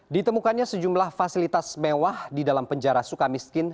ditemukannya sejumlah fasilitas mewah di dalam penjara suka miskin